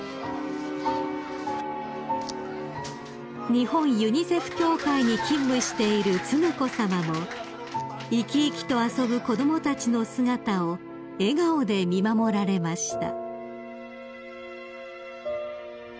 ［日本ユニセフ協会に勤務している承子さまも生き生きと遊ぶ子供たちの姿を笑顔で見守られました］